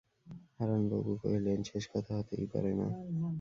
হারানবাবু কহিলেন, শেষ কথা হতেই পারে না।